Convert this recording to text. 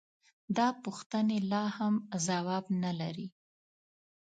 دا پوښتنې لا هم ځواب نه لري.